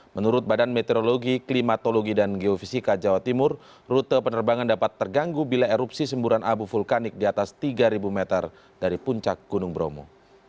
menurut badan meteorologi klimatologi dan geofisika jawa timur rute penerbangan dapat terganggu bila erupsi semburan abu vulkanik di atas tiga meter dari puncak gunung bromo